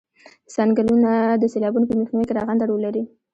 څنګلونه د سیلابونو په مخنیوي کې رغنده رول لري